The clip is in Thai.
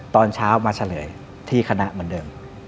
ตอนเช้ามาเฉลยที่คณะเหมือนเดิม